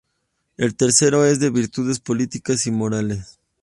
El tercero es de virtudes y políticas morales.